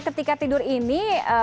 ketika tidur ini